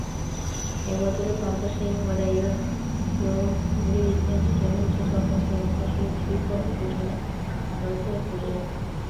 英国独立广播是英国的一个由独立电视节目制作公司和播出机构组成的合作组织。